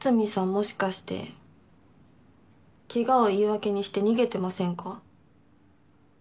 もしかしてケガを言い訳にして逃げてませんか？